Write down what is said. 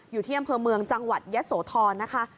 อยู่ที่อำเภอเมืองจังหวัดยะโสธรนะคะ